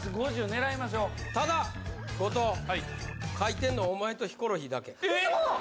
狙いましょうただ後藤はい書いてんのはお前とヒコロヒーだけえっ！？